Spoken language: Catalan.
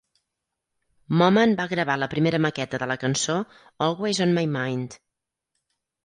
Moman va gravar la primera maqueta de la cançó "Always on My Mind"".